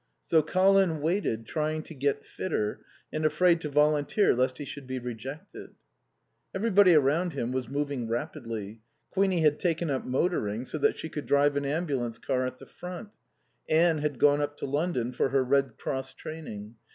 So Colin waited, trying to get fitter, and afraid to volunteer lest he should be rejected. Everybody around him was moving rapidly. Queenie had taken up motoring, so that she could drive an ambulance car at the front. Anne had gone up to London for her Red Cross training.